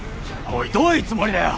おいどういうつもりだよ！？